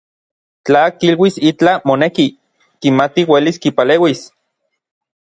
Tla kiluis itlaj moneki, kimati uelis kipaleuis.